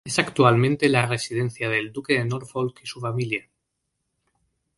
Es actualmente la residencia del duque de Norfolk y su familia.